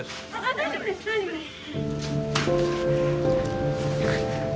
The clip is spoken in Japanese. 大丈夫です大丈夫です。